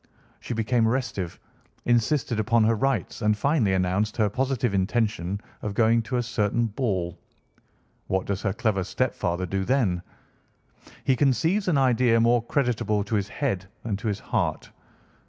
She became restive, insisted upon her rights, and finally announced her positive intention of going to a certain ball. What does her clever stepfather do then? He conceives an idea more creditable to his head than to his heart.